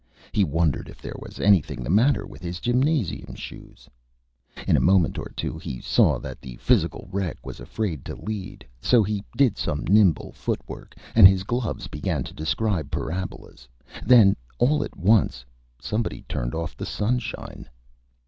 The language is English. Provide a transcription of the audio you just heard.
He wondered if there was anything the matter with his Gymnasium Shoes. In a Moment or two he saw that the Physical Wreck was afraid to Lead, so he did some nimble Foot Work, and his Gloves began to describe Parabolas then all at once somebody turned off the Sunshine.